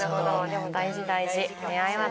でも大事大事。